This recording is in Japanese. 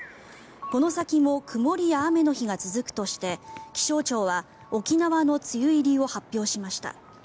この先も曇りや雨の日が続くとして気象庁は沖縄の梅雨入りを発表しました。